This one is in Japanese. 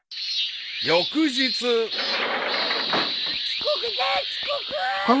［翌日］・遅刻だよ遅刻！